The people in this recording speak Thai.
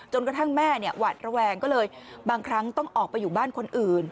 กระทั่งแม่หวาดระแวงก็เลยบางครั้งต้องออกไปอยู่บ้านคนอื่น